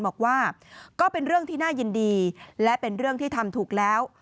บอกว่าก็เป็นเรื่องที่น่ายินดีและเป็นเรื่องที่ทำถูกแล้ว